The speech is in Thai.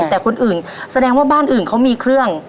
แต่คนอื่นแสดงว่าบ้านอื่นเขามีเครื่อง